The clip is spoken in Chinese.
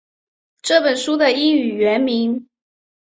这本书的英文原名